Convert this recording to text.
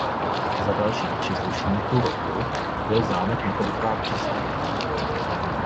Za dalších příslušníků roku byl zámek několikrát přestavěn.